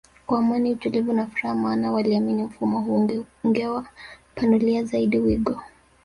kwa Amani utulivu na furaha maana waliamini mfumo huo ungewa panulia zaidi wigo